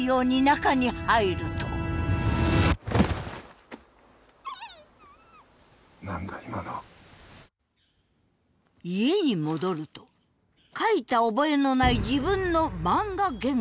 家に戻ると描いた覚えのない自分の漫画原稿が。